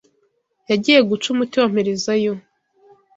Yagiye guca umuti wa Mperezayo